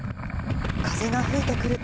風が吹いてくると。